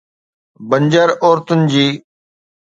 بنجر عورتن جي